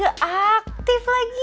ga aktif lagi